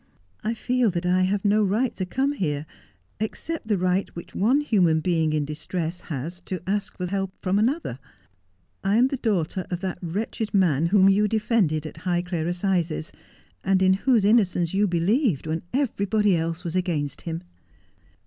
'I feel that I have no right to come here, except the right which one In Mr. Tomplin' s Chambers. 147 human being in distress has to ask for help from another. I am the daughter of that wretched man whom you defended at Highclere Assizes, and in whose innocence you believed when everybody else was against him.' Mr.